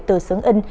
từ sướng in